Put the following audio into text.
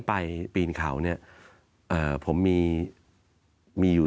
สวัสดีครับทุกคน